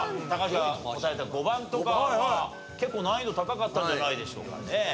高橋が答えた５番とかは結構難易度高かったんじゃないでしょうかね。